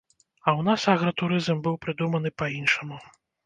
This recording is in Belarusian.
А ў нас агратурызм быў прыдуманы па іншаму.